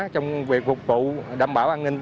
trong việc phục vụ đảm bảo an ninh